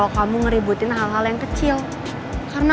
kenapa sih putri yusus goreng